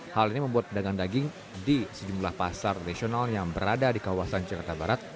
hal ini membuat pedagang daging di sejumlah pasar tradisional yang berada di kawasan jakarta barat